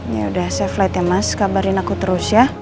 yaudah safe flight ya mas kabarin aku terus ya